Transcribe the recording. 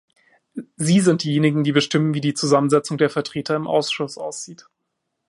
Sie sind diejenigen, die bestimmen, wie die Zusammensetzung der Vertreter im Ausschuss aussieht.